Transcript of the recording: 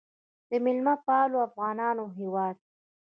د میلمه پالو افغانانو هیواد.